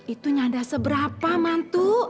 itu nyanda seberapa mantu